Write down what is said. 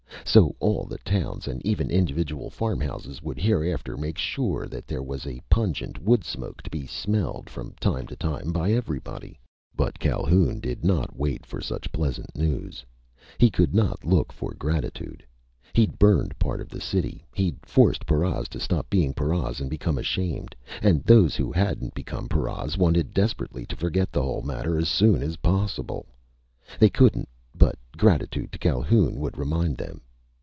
So all the towns and even individual farmhouses would hereafter make sure that there was pungent wood smoke to be smelled from time to time by everybody. But Calhoun did not wait for such pleasant news. He could not look for gratitude. He'd burned part of the city. He'd forced paras to stop being paras and become ashamed. And those who hadn't become paras wanted desperately to forget the whole matter as soon as possible. They couldn't, but gratitude to Calhoun would remind them.